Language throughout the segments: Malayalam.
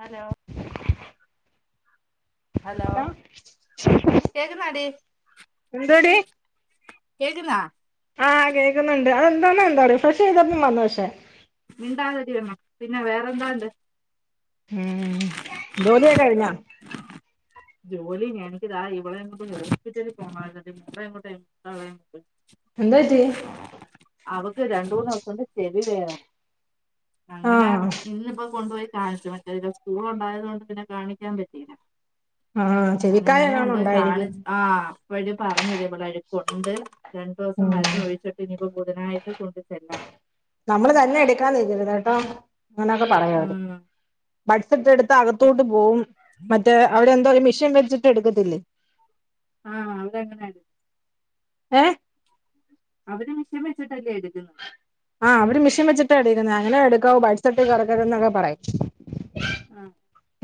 ഹലോ ഹലോ കേക്കുന്നാടി എന്തോടി കേക്കുന്നാ ആഹ് കേക്കുന്നുണ്ട് അതെന്താണ എന്താ ഫ്രഷ് ചെയ്തപ്പം വന്ന പക്ഷെ മണ്ടാതിരിരിക്കണം പിന്നെ വേറെന്താണ്ട് ഉം ജോലിയൊക്കെ കഴിഞ്ഞോ ജോലി എനിക്കതാ ഇവിടെ ഇങ്ങോട്ട് ഹോസ്പിറ്റലിൽ പോണമായിരുനേടി മ ഇങ്ങോട്ടുംട്ട എന്താപറ്റി അവക്ക് രണ്ട മൂന്ന് ദിവസംണ്ട് ചെവി വേദാന അങ്ങനെ ആഹ് ഇന്നിപ്പോ കൊണ്ടുപോയി ചാൻസ് മറ്റേ സ്കൂൾ ഉണ്ടായത് കൊണ്ട് പിന്നെ കാണിക്കാൻ പറ്റിയില്ല ആഹ് അന ചെവിക്കായ എങ്ങാനും ഇന്നൊണ്ട് കാണി ഉണ്ടായിരിക്കും ആ അപ്പഴ പറഞ്ഞ ഇതേപോലെ അഴക്കൊണ്ട് രണ്ടു ദിവസം ഉം മരുന്ന് ഒഴിച്ചിട്ട് ഇനിക്ക് ബുധനായിട്ട് കൊണ്ട് ചെല്ലാം അന്നൊക്കെ പറയാത് ഉം ബഡ്സറ്റ് എടുത്ത് അകത്തോട്ട് പോവും മറ്റേ അവിടെ എന്താ പറ മിഷീൻ വ ട്ട എടുക്കത്തില്ലേ ആ അതെങ്ങനെയാണ് ഏ അവര് മിഷ വച്ചിട്ടല്ലേ എടുക്കുന്നേ ആഹ് ട്ട് കറക്ക എന്നൊക്കെ പറയും ആ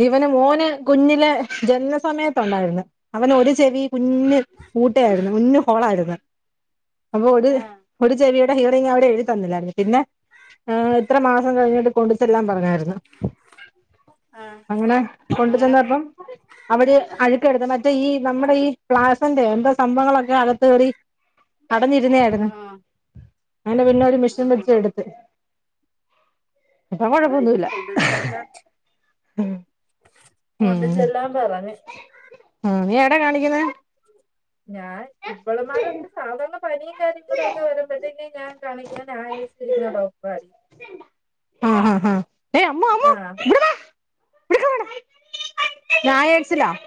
ഇവന് മോന് കുഞ്ഞിലെ ജനന സമയത്ത ഉണ്ടായിരുന്നു അവന ഒരു ചെവി കുഞ്ഞ് കൂട്ട ആയിരുന്നു കുഞ്ഞ് ഹോളായിരുന്നു അപ്പൊ ഒ ആഹ് ഒരു ചെവിയുടെ ഹീറോയിങ് അവിടെ എഴുത്തന്നില്ലായിരുന്നു പിന്നെ ആ എത്ര മാസം കഴിഞ്ഞിട്ട് കൊണ്ട ചെല്ലൻ പറഞ്ഞായി രുന്നു. ആഹ് അങ്ങനെ കൊണ്ട അങ്ങനെ ചന്നപ്പം അവര് അഴുക്ക് എടുത്തുമാറ്റി - മറ്റേ ഈ നമ്മുടെ പ്ലാസന്റെ ഈ എന്താ സംഭവങ്ങളൊക്കെ അകത്ത് കറി. കടന്നിരുന്നായിരുന്നു ആഹ് അന്റെ പിന്നെ ഒരു മെഷീൻ ആഹ് വെച്ച എടുത്ത്. അപ്പൊ അതാ ഇനി കൊഴപ്പൊന്നുല്ല. കൊണ്ട് ചെല്ലാൻ കൊണ്ട് ഉഉം ചെല്ലാൻ പറഞ്ഞ് നീ എടാ കാണിക്കുന്നേ? ഞാൻ ഇപ്പോളമാരൊക്കെ സാധാരണ പനിയും കാര്യങ്ങളും ഒക്കെ വരുമ്പോഴ്ത്തെക്കും ഞാൻ കാണിക്കുന്ന നയേസിലിരിക്കുന്ന ഡോക്ടർ ആഹ് ആഹ് ഹഹ് ഏയ് അമ്മു അമ്മു ആഹ് ഇവടെ വാ ിക്കട ഞായടിച്ചിലാ [unintelligible]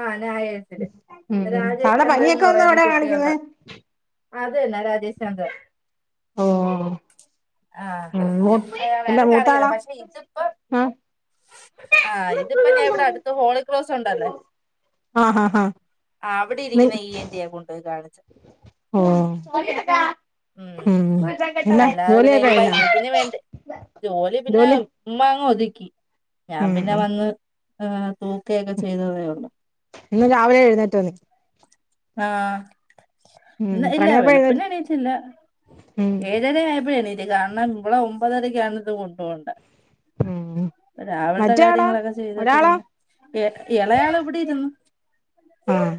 ആഹ രായേഴ്സില് രാജേഷ് അവിടെ പനിയൊക്കെ ചന്ദ്രന്ന് വന്നാ പറയുന്ന എവിടാ കാണിക്കുന്നെ കുട്ടികൾടെ. അതന്നെ രാജശ് ചന്ദ്ര. ഓ ഓ ആ അയാലായാണ് മൂത്താളാ കാണിക്കുന്നെപക്ഷെ പ്പോ ആ ആഹ് ഇതിപ്പോ ഞാൻ ഇവിടെ അടുത്ത ഹോളിക്രോസ് ഉണ്ടല്ലേ. ആ ഹഹ് ഹഹ് ആ അവിടെ ഇരിക്കുന്ന ഇ, എൻ, ഡി, ആ കൊണ്ടോയി കാണിക്കുന്നേ. ഹ [inaudible] ഉം അല്ല അല്ലാതെ പിന്നെ ജോലിയക്കെ ഇനി കയിഞ്ഞോ? പയ്യത്തിന് വേണ്ടേ ജോലി പിന്നെ ഉമ്മങ്ങ് ഒതുകി.. ഞാൻ ഉം പിന്നെ ഉം വന്ന് തൂക്കയൊക്കെ ചെയ്ത്ന്നെഉള്ളൂ. ഇന്ന് രാവിലെ എഴുന്നേറ്റത്. ആഹ ഉം ഇല്ല എത്രണിയായപ്പോ വെളുപ്പിന എഴുന്നേറ്റ് എണീച്ചില്ല. ഉം ഏഴര ആയപ്പോഴാണ് എണീറ്റത് കാരണം ഇവളെ ഒമ്പതരക്കാണ് ഇത് കൊണ്ട പോണ്ടേ? ഉം രാവിലത്തെ മറ്റേ ആളോ കാര്യങ്ങളൊക്കെ ചെയ്തിട്ട് ഒരാളോ പിന്നെ എ ഇളയാള എവിടെ ഇരുന്നു. ആഹ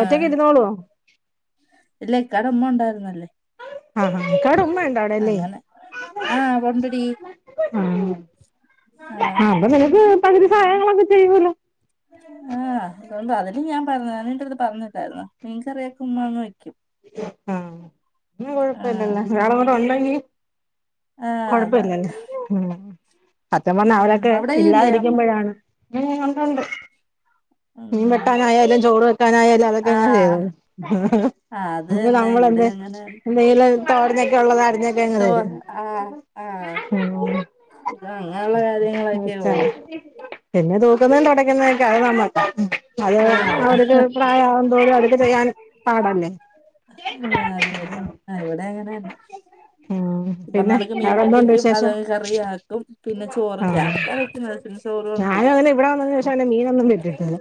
ഒറ്റക്കിഇരുന്നോളുവോ? ഇല്ലേ ഇക്കാടെമ്മ ഉണ്ടായിരുന്നല്ലേ. ആഹ ആാ ഇക്കാടെമ്മ. അങ്ങനെ ആ പൊണ്ടടി. ആ അപ്പ നിനക്ക് പകുതി സഹായങ്ങളൊക്കെ ചെയ്യൂലോ. അൊണ്ട് അതില് ഞാൻഞ്ഞീ അത് പറഞ്ഞിില്ലായിുന്ന നിനക്ക്റിയുമ ഉ്ന്ന് വ ആഹ ആഹ് കൊഴപ്പല്ലല്ല ഒരാളുടെ ഉണ്ടെങ്കി ആഹ് അതാ കൊഴപ്പല്ലല്ലോ സത്തയപറഞ്ഞാ ഉം അവരൊക്കെ അവിടെയില്ലേ അമ്മ ഇല്ലാതിരിക്കുമ്പോഴാണ് ഉണ്ട്ണ്ട്. മീൻ ഉം വെട്ടാനായാലും ചോറ് വെക്കാനായാലും അതൊക്കെ എങ്ങനെ ആഹ് ചെയ്തോളും. ആഹ് അത് അ തന്നെ ഇവിടെ നമ്മളെന്താ അങ്ങനെ എന്തെല തോരനൊക്കെ ഉള്ളത് അരിഞ്ഞൊക്കെ അങ്ങ് തോ തരും. ആഹ് ആഹ് ആ ഇത് അങ്ങനെയുള്ള കാര്യങ്ങളൊക്കെ അ ഉള്ളു പിന്നെ [unintelligible] തൂക്കുന്ന തുടക്കുന്നതൊക്കെ അത് നമ്മക്കാ അത് ആഹ് അവർക്ക് പ്രായംന്തോറും അവർക്ക് ചെയ്യാൻൻ പാടല്ലേ? ആഹ അത് തന്നെ ആ ഇവിടെ എങ്ങനെ ന്നെ ആഹ ഇപ്പാക്ക് മീൻകണ്ടിക്കും അെത പോല കറിയാക്കും പിന്നെ ചോറില്ലാ അത്രയേക്കെ പിന്നെ ചോറ്ല്ലാ ഞാന അങ്ങനെ ഇവിടെ വന്നീന് ശേഷം മീനൊന്നുംമേടിക്കില്ലട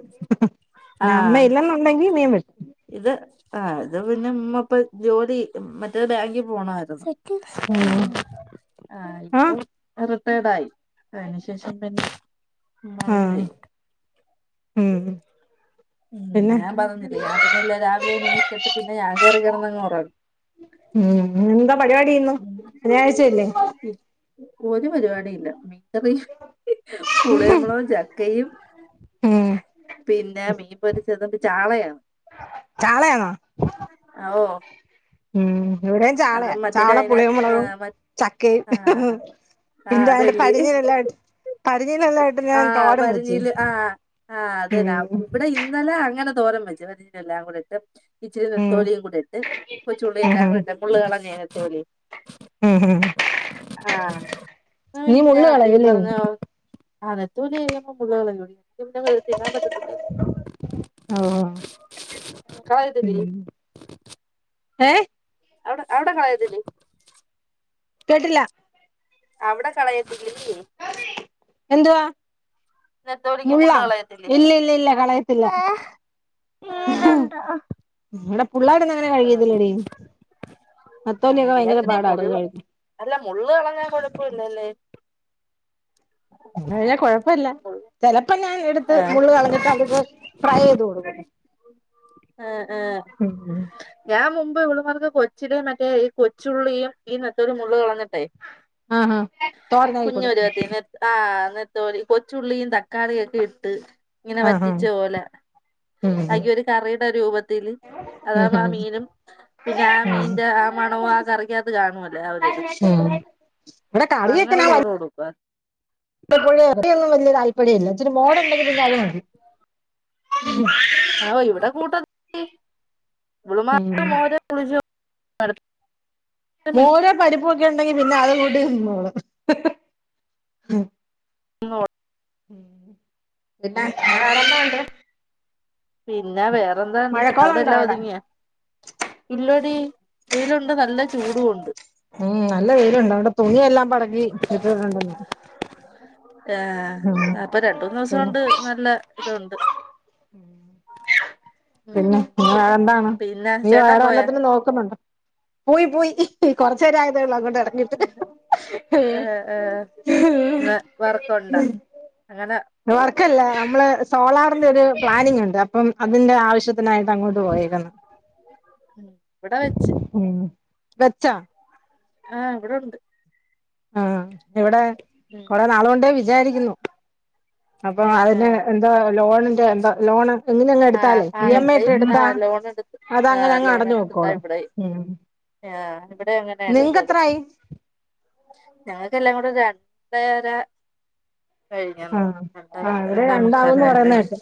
ആഹ് അമ്മയുണ്ടന്നുണ്ടെങ്കി മീൻ മേടിക്ക ഇത് ആ ഇത് പിന്നെ മപ്പൊ ജോലി മറ്റേ ബാങ്കിൽ പോണമായിരുന്നു മ് ആ േടായി അതിനന് ശേഷം പിന്നെ ഹം ഉം ഞാൻ പറഞ്ഞില്ലേ ഞാൻ പിന്നെ ഇല്ല രാവിലെ എനിറ്റിട്ട് പിന്നെ ഞാൻ കയറിയങ്ങ് റങ്ങും. ഉം എന്താ പരിപാടിന്നുന്നു ഉം ശനിയാഴ്ചല്ലേ? ഒരു പരിപാടിയില്ല മീകറിം പുളിയമ്ളും ചക്കയും. ഉം പിന്നെ മീൻ പൊരിച്ചത്ണ്ട് ചാളയാണ്. ചളേണൊ? ഓ ഉം ഇവിടെയും അത് ചാളയാ മറ്റേത് ചാളേം പുളിയും അതിനകത്ത് ആ മൊളകും മ ചക്കയും. ആ ആ എന്താ അന്റെ അതല്ലേ പടിഞ്ഞനല്ലട്ട്. ആ വരിഞ്ഞില് ആ ആ ഉം അതെന്നെ വിടെ ഇന്നലെ അങ്ങനെ തോരം വെച്ച് എല്ലാ കൂടെയിട്ട് ഇച്ചിരി ഉം നത്തോലിയും കൂട്ടിട്ട് കൊച്ചുള്ളി യെല്ലാം ഉം കൂടിട്ട് മുള്ള് കളഞ്ഞത്തോലി ഉം ആ നീ മുള്ള് [unintelligible] ഈ കളയുല്ലേ പറഞ്ഞാള് ആ നെത്തോലി [unintelligible] തിന്നാൻ പറ്റത്തില്ല ഓഹ് കഴ് ത [unintelligible] ഏ അവ്ടെ അവ്ടെ കളയത്തില്ലേ? കേട്ടില്ല. അവ്ടെ കളയത്തില്ലല്ലേ? എന്തുവാ മുള്ള് മുള്ളാ കളയത്തില്ലേ ഇല്ലല്ലല്ല ആഹ് കളയത്തില്ല. വ്ടെ പുള്ളേരങ്ങനെ കഴിക്കത്തില്ലെടീ. ആ അങ്ങനെ അല്ലെടീ മുള്ള് അല്ല മുള്ള്കളഞ്ഞാ കൊഴപ്പുല്ലല്ലേ? അല്ല കൊഴപ് പ്പല്ല ചെലപ്പോ ഞാഎട്ത്ത് ആഹ് മുള്ള് കളഞ്ഞിട്ട് അവർക്ക് ഫ്രൈ ചെയ്ത് കൊടുക്കും. ഉം ഇപ്പവ്ള്മാർക്ക് കൊച്ചില് മറ്റേ ഈ കൊച്ചുള്ളിയും ഈ നത്തലും മുള്ള് കളഞ്ഞ് ട്ടെ ആഹാ തോരനായി കൊടുക്കും കുഞ്ഞൊരുവത്തിന്ന് ആ ന്ന് തോല് കൊച്ചുള്ളിയും തക്കാളി യൊക്കെയിട്ട് ഇങ്ങനെ ആഹാ വറ്റിച്ച പോലെ. ഉം അയ് ഉം ക്കൊരു കറീടെ രൂപത്തില്. അതാവുമ്പോ ആ ഉം മീനും പിന്നെ ആ മീന്റെ ആ മണവും ആ കറിക്കകത്ത് കാണൊല്ലേ ആ ഒരിത്. [inaudible] പ്പ ങ്ങനെ ചോറ് കൊടുക്ക. പ്പഴേ ഒന്നും വല്ല്യ താല്പര്യല്ല ഇച്ചിരി മോര്ണ്ടങ്കി പിന്നത് മതി ആവൊ ഇവടെ കൂട്ട മീ ഇവള് ഉം മാര് മോരോളിച്ചു. പറ. മോരോ പരിപ്പൊക്കെണ്ടെങ്കി പിന്നതും കൂട്ടി തിന്നോളും. ന്നോ ഉം പിന്നെ വേറെനാഉണ്ട്? പിന്നെ വേറെന്താണ്ട് അവിടെല്ലാം അവിടെ ഒരുങ്ങിയാ? ഇല്ലെടീ. വെയ്ലുണ്ട് ന്നല്ല ചൂടൂണ്ട്. ഉം നല്ല വെയ്ലുണ്ട്. അവ്ടെ തുണിയെല്ലാം പടക്കി ഇട്ടിട്ടുണ്ട് ഞാൻ. ആ ഉം അപ്പ പിന്നെ രണ്ടുന്നുസോണ്ട് ന്നല്ലതുണ്ട്. ഉം പിന്നെ വേറെന്താണ്? പിന്നെ നീ ചേട്ടൻ വേറെ പോയാ വല്ലത്തിലും നോക്കുന്നുണ്ടോ? പോയി പോയ്‌ കൊറച്ചേരായതെള്ളൂ അങ്ങൊട്ടെടഞ്ഞിട്ട്. ന്ന് വർക്കുണ്ടാ അങ്ങനെ? വർക്കല്ലേ നമ്മള് സോളാറിന്റൊരു പ്ലാനിങ്ണ്ട് അപ്പം അതിന്റാവശ്യത്തിനായി വ്ടെ വെച്ച്. വെച്ച ആ ഇവ്ടുണ്ട്. ആ എവടേ കൊറേ നാള് കൊണ്ടേ വിജാരിക്കുന്നു. അപ്പൊ ഏഹ് അതിന് ഏഹ് എന്താ ലോണിന്റെ എന്താ ലോണ്. ഇങ്ങനെല്ലാം ആഹ് എടുത്താല് ആഹ് ഇവിടെയും ഇയമ്മയ്ട്ടെടുത്താ ആഹ് ലോൺ എടുത്ത് അതങ്ങനങ്ങടഞ്ഞു പോയ്‌ക്കോളും. ആ വ്ടെ ങ്ങനെടുത്തത്. ഞങ്ങക്കെല്ലാം കൂടെ രണ്ടര കഴിഞ്ഞെന്ന് ആഹ തോന്നുന്നു ആ രണ്ടര ഇവിടെ രണ്ടേ രണ്ടാവുന്ന് മുക്കാലായല്ലേ പറയുന്നേട്ട് രൻ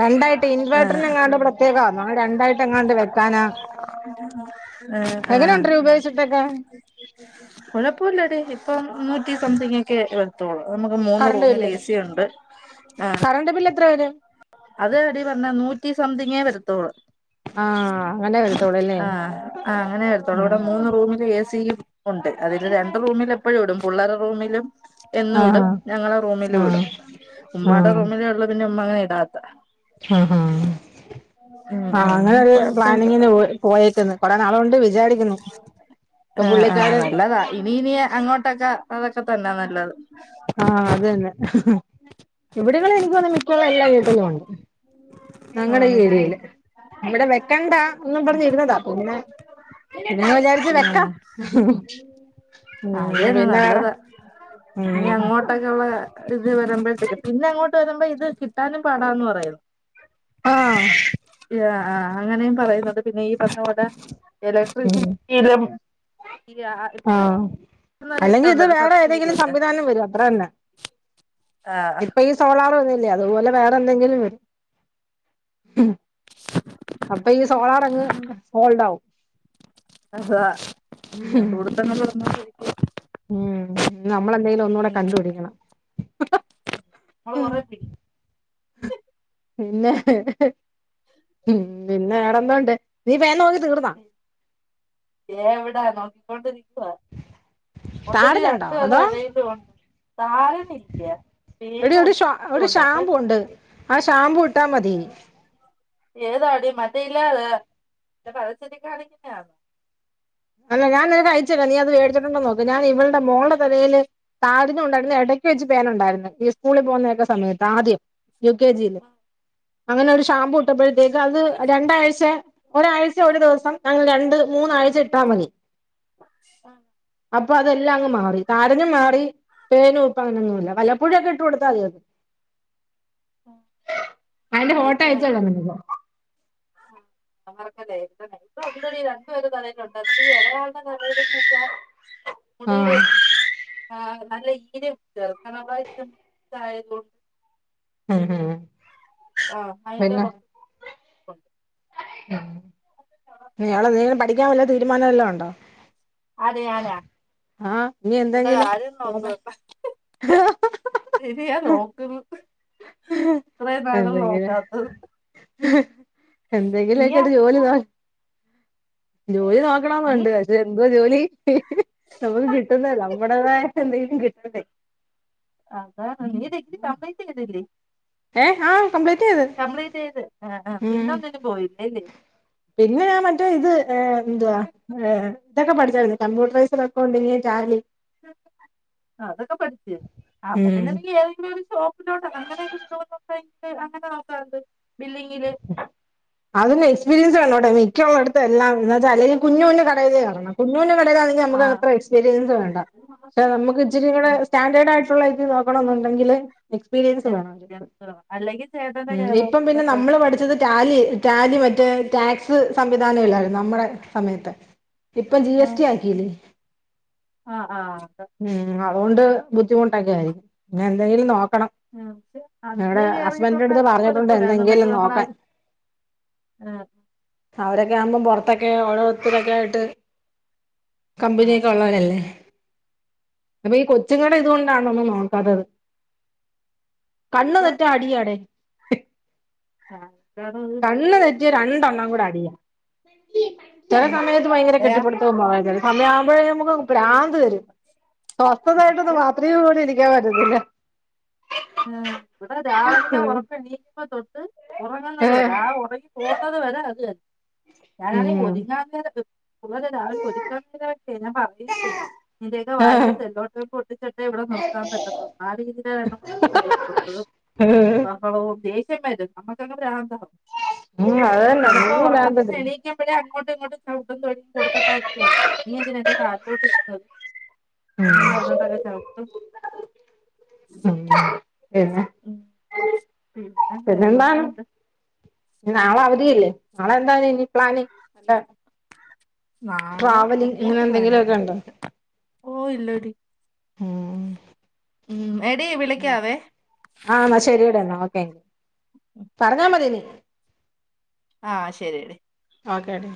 രണ്ടായിട്ട് ആഹ് ഇൻവേർട്ട്റിനങ്ങാണ്ട് പ്രത്യേകന്നോ അതോ രണ്ടായ്ട്ടങ്ങാണ്ട് വെക്കാനാ ആഹ് എങ്ങനെയുണ്ട്രി ഉപയോഗിച്ചിട്ടൊക്കെ കൊഴപ്പുല്ലടി ഇപ്പ മുന്നൂറ്റി സംതിങ്ങൊക്കെ വരുത്തുള്ളൂ നമുക്ക് മൂന്ന് കറണ്ട് റൂമില് ബില്ല് എ സി ഉണ്ട് ആ കറണ്ട് ബില്ല് എത്ര വരും അത് എടി പെണ്ണെ നൂറ്റി സംതിങ്ങേ വരത്തോളൂ ആഹ അങ്ങനെ വരു ആ ആ അങ്ങനൊവരുത്തുള്ളൂ ഇവടെ മൂന്ന് റൂമില് എ സി ഉണ്ട് അതില് രണ്ട് റൂമില് എപ്പഴും ഇടും പിള്ളേരെ റൂമിലും എന്നും ഇടും ആഹ് ഞങ്ങളെ റൂമിലും ആഹ് ഇടും ഉമ്മായുടെ റൂമില ഉള്ള പിന്നെ ഉമ്മ അങ്ങനെ ഇടാത്ത ആഹ് ഉം ആഹ് അങ്ങനെ ഉം ഒരു കൊഴപ്പമില്ല പ്ലാനിങ്ങിന് പോ പോയേക്കുന്നു കൊറേ നാള് കൊണ്ട് വിചാരിക്കുന്നു ഇപ്പൊ ആ ആഹ് പുള്ളിക്കാരൻ നല്ലതാ ഇനി ഇനിയ അങ്ങോട്ടൊക്കെ അതൊക്കെ തന്നെ നല്ലത് ആഹ് അത് തന്നെ ഇവിടങ്ങളിൽ എനിക്കുതോന്നുന്നു മിക്കഉള്ള എല്ലാ വീട്ടിലും ഉണ്ട് ഞങ്ങളുടെ ഈ ആണല്ലേ ഏരിയയില് ഇവിടെ വെക്കണ്ടാ എന്നും പറഞ്ഞിരുന്നതാ പിന്നെ പിന്നെ വിചാരിച്ച് ഉം വെക്കാം ഉം അതന്നെ പിന്നെ വേറെ നല്ലതാ ഇനി ഉം അങ്ങോട്ടൊക്കെ ഉള്ള ഇത് വരുമ്പോഴത്തേക്ക് പിന്നെ അങ്ങോട്ട് വരുമ്പോ ഇത് കിട്ടാനും പാടാന്ന് പറയും ആഹ് ആഹ് അങ്ങനെയും പറയുന്നുണ്ട് പിന്നെ ഈ പറഞ്ഞകട ഉം ഇലക്ട്രിസിറ്റിയിലും ഈ ഇപ്പൊ ആഹ് അല്ലെങ്കിൽ ഇത് ഉണ്ടല്ലോ വേറെ സബ്സിഡി ഏതെങ്കിലും ഒക്കെ സംവിധാനം വരും അത്ര തന്നെ ആഹ് ഇപ്പൊ ഈ സോളാർ വന്നില്ലേ അതുപോലെ വേറെ എന്തെങ്കിലും വരും അപ്പൊ ഈ സോളാറങ്ങ് സോൾഡ് ആകും അതാ കണ്ടുപിടിത്തങ്ങൾ നടന്നു കൊണ്ടിരിക്കുവല്ലേ ഉം നമ്മളെന്തെിലും ഒന്നുകൂടെ കണ്ടുപിടിക്കണം നമ്മള് കൊറേ പിന്നെ ഉം പിന്നെ വേറെന്തുണ്ട് നീ പേൻ നോക്കി തീർന്നാ എവിടാ നോക്കിക്കൊണ്ടിരിക്കുവാ ഒണ്ട്ടി ചാർജുണ്ടോ രണ്ടുപേരെ അതോ തലയിലും ഉണ്ട് താരനില്ല എടി ഒരു പേനുമുണ്ട് ഷാ ഒരു ഈരുമുണ്ട് അപ്പൊ ഷാമ്പു ഉണ്ട് ആ ഷാംപൂട്ടാ മതി ഏതാടി മറ്റേ ഇല്ലാതെ പരസ്യത്തിൽ കാണിക്കുന്നന്നോ അല്ല ഞാൻനിനക്കയയ്ച് തരാം നീ അത് മേടിച്ചിട്ടുണ്ടോയെന്നു നോ ഞാൻ ഇവളടെ മോളുടെ തലയില് താരന്നുണ്ടായിരുന്നു ഇടയ്ക്ക് വെച്ച് പോനുണ്ടായിരുന്നു ഈ സ്കൂളിൽ പോകുന്നൊക്കെ സമയത്ത് ആദ്യം യു കെ ജിയില് അങ്ങനെ ഒരു ഷാമ്പൂ ഇട്ടപ്പോഴത്തേക്ക് അത് രണ്ടാഴ്ച ഒരാഴ്ച ഒരു ദിവസം അങ്ങ് രണ്ട് മൂന്നാഴ് മണതി അ അപ്പൊ അതെല്ലാം അങ് മാറി താരനും മാറി പേന ഇപ്പൊ അങ്ങനെൊന്നുമ ഇല്ല വലപ്പോഴു. ഒക്കെ ഇട്ട് കൊടുത്താൽ മതി അത് അതിന്റെ ഫോട്ടോ അയ്ച്ചു നയിക്കണേ തരാം നിനക്കു ആ മറക്കല്ലേ ഉണ്ടെടി രണ്ടു പേര് തലയിയിലുമുണ്ട് അതില് ഈ ഇളയാളുടെ തലേലെന്ന് വെച്ചാൽ മുടിയിലെ ആഹ് ആഹ് നല്ല ഈരെർക്കണ [unintelligible] [unintelligible] ഉം ഹം ആഹ് അയിന്റ ഉ ഉം നിളെ നീങ്ങള് പഠിക്കാൻ വല്ല തീരുമാനംവല്ലോം ഉണ്ടോ ആര് ഞാനാ ആഹ് ഇനി എന്റെ എന്തെങ്കിലും കാര്യം നോക്കാം [unintelligible] ശരിയാ നോക്ക്ന്ന് ഇത്രേം നാളും നോക്കാത്തെ ഹ എന്തെങ്കിലും ഒക്കെയിട്ട് ജോലി നോ ജോലി നോക്കണം നീ വേണ്ട് പക്ഷെ ഇ ജോലി ഹ്നമുക്ക് കിട്ടുന്ന നമ്മുടേതായ എന്തെങ്കിലും കിട്ടണ്ടേ ആ താണ് നി ഡിഗ്രി പാസായിട്ട് ഇല്ലേ ഡിഗ്രി ഏഹ് ആഹ് കംപ്ലീറ്റ് ചെയ്ത് കംപ്ലീറ്റ് ചെയ്ത് ആ ഉം പിന്നെ ഒന്നിനും പോയില്ലേല്ലേ പിന്നെ ഞാൻ മറ്റേ ഇത് എന്തുവാ അല്ലേ ഇതൊക്കെ പഠിച്ചരുന്നു കമ്പ്യൂട്ടറൈസഡെ അക്കൗണ്ടിങ് ടാലി അതൊക്കെ പഠിച്ചു അപ്പൊ പിന്നെല്ലങ്കി ഏതെങ്കിലും ഒര് ഷോപ്പിലോട്ട അങ്ങനെയൊക്കെ വി [unintelligible] അങ്ങനെ നോക്കാണ്ട് അതിന്ന എക്സ്പീരിയൻസ് വണ്ടോട്ടെ മിക്ക അടുത്ത് എല്ലാം എന്നച്ചാ ല്ലും കുഞ്ഞു കടയതേ കേറണം കുഞ്ഞുഞ് കടയുകാണെങ്കിൽ ആ നമുക്ക്ത്ര എക്സ്പീരിയൻസ് വേണ്ട. പക്ഷെ നമുക്ക് ആ ഇച്ചിരുടെ സ്റ്റാൻഡേർഡ് ആയിട്ടുള്ളത് നോക്കണമെങ്കിൽ എക്സ്പീരിയൻസ് വേണം അവര്ക്ക് ആ. അല്ലെങ്കിൽ ചേട്ടന്റെ ഉം കെയർ ഇപ്പം പിന്നെ ഓഫീസല്ലോ നമ്മള് പഠിച്ചത് ടാലി ടാലി മറ്റേ ടാക്സ് സംവിധാനങ്ങളായിരുന്നു. നമ്മള സമയത്ത് ഇപ്പം ജി എ സ്ടി ആക്കില്ലേ ആ ആ ക്ക അതുകൊണ്ട് ബുദ്ധിമുട്ടൊക്കെ ആയിരിക്കും എന്തെങ്കിലും നോക്ക പക്ഷെ അന്നേ കേറിട്ടുണ്ടായി അടുത്ത് പറഞ്ഞിട്ടുണ്ട് കൊഴപ്പൂില്ലായിരു എന്തെങ്കിലും നമ്മള നോക്കാൻ ആ ഇതൊക്കെ ആവുമ്പം പുറത്തൊക്കെ ഓരോരുത്തരൊക്കെ ആയിട്ട് ആ കമ്പനിയക്ക അതാണ് ഉള്ളവരല്ലേ അപ്പൊ ഈ കൊച്ചുങ്ങളടെ ഇതുകൊണ്ടാണ ഒന്നും നോക്കാത്തത്. കണ്ണ് ഇപ്പം തെറ്റാ അടിയാടെ ആ അതാണ് ഒരു കണ്ണ തെറ്റി രണ്ടെണ്ണാം കൂടെ അടിയാം ചില ഉം സമയത്ത് ഭയങ്കര അതെയാ കെട്ടിപ്പെടുതം ഉമ്മ വെക്കലും സമയ ആവുമ്പോഴേ നമുക്ക് ഭ്രാന്താ രും ഉം, സ്വസ്ഥതായിട്ടൊന്നന്ന് ബാത്റൂമിൽ പോലും ഇരിക്കാൻ പറ്റത്തില്ല ആ ഇവിടെ രാവിലെ ഉറക്കം എനിറ്റപ്പാ തൊട്ട് ഉറങ്ങുന്നത് ഏഹ് വരെ ആ ഉറങ്ങി പോകുന്നത് വരെ അത് ത ഞാനാണ [unintelligible] ഉം ഒരുക്കെ ഞാൻ [unintelligible] പറയയും [unintelligible] ചെയ്യ ഇതയൊക്കെ ഏഹ് വായില് സെല്ലോട്ട പൊട്ടിച്ചിട്ട് ഇവിടെ നിർത്താൻ പറ്റത്തോ ആ രീതിയില [unintelligible] ഏഹ് മ ദേഷ്യം വര് നമ്മുക്കെ ഭ്രാന്ത് ഉം അത് തന്നെ ചിലപ്പോ നമുക്ക് പ്രാന്ത് ഉറക്കത്തി വരും എണീക്കൂ പഴേ അങ്ങോട്ടും ഇങ്ങോട്ടും ഉടൻ തൊഴി കൊടുത്തട്ടായിരിക്ക നീ അതി എന്റെ കലി ലോട്ട് ഇരുന്നത് എന്നും പറഞ്ഞട്ടൊക്കെ ചവിട്ട് ആ പിന്നെ ഉം പിന്നെ പിന്നെന്താണ് വേറെന്താണ്ട് നളേ അവധിയില്ലേ നാളെന്താണ് ഇനി പ്ലാനി എന്താ നാളെ ട്രാവലിങ് അങ്ങനെ പ്രത്യേകിച്ച് പ്ലാനിങ് എന്തെങ്കിലുമൊക്കെ ഉണ്ടോ ഒന്നുമില്ല ഓ ഇല്ലടി ഉം എടി വിളിക്കാവേ ക്ക പറഞ്ഞ മതിന് ആ ശരിടി ഒക്കെ ടി